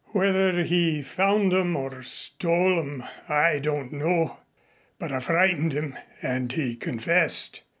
Whether he found 'em or stole 'em I don't know, but I frightened him and he confessed.